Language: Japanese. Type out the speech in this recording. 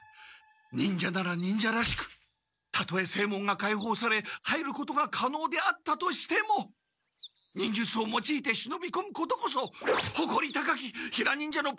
忍者なら忍者らしくたとえ正門が開放され入ることがかのうであったとしても忍術を用いて忍びこむことこそほこり高きヒラ忍者のプライドなのである！